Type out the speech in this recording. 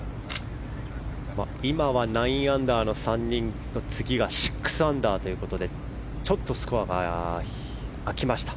今は９アンダーの３人と次が６アンダーということでちょっとスコアが空きました。